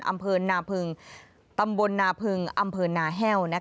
อำเภอนาพึงตำบลนาพึงอำเภอนาแห้ว